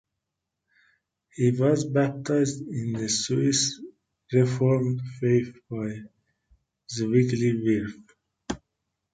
He was baptized in the Swiss Reformed faith by Zwingli Wirth.